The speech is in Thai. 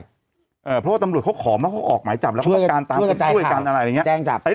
เพราะว่าตำรวจเขาขอมาเขาออกหมายจับแล้วก็ตามเป็นช่วยกันอะไรอย่างนี้